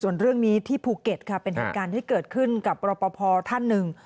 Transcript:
ส่วนเรื่องนี้ที่ภูเก็ตค่ะเป็นเหตุการณ์ที่เกิดขึ้นกับรอปภท่านหนึ่ง